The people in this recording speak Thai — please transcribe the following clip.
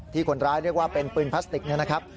คนร้ายเรียกว่าเป็นปืนพลาสติกนะครับ